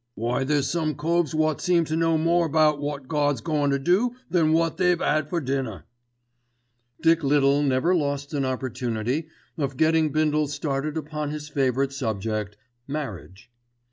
Why there's some coves wot seem to know more about wot Gawd's goin' to do than wot they've 'ad for dinner." Dick Little never lost an opportunity of getting Bindle started upon his favourite subject—marriage.